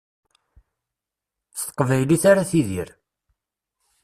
S teqbaylit ara tidir.